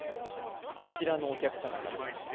「あちらのお客さまから」